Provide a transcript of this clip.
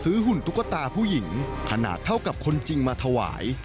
หุ่นตุ๊กตาผู้หญิงขนาดเท่ากับคนจริงมาถวาย